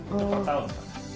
berapa tahun pak